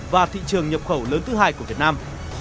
và thị trường nhập khẩu lớn thứ hai của việt nam